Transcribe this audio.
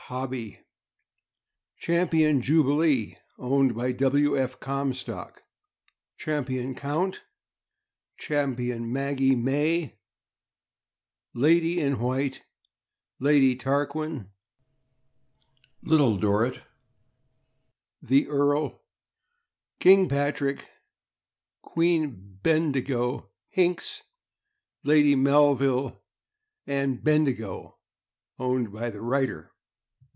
F. Hobbie; Champion Jubilee, owned by W. F. Comstock; Champion Count, Champion Maggie May, Lady in White, Lady Tarquin, Little Dorrit, The Earl, King Patrick, Queen Bendigo, Hinks, Lady Melville, and Bendigo, owned by the writer.